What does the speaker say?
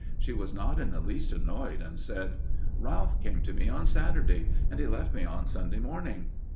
She was not in the least annoyed, and said: "Ralph came to me on Saturday, and he left me on Sunday morning."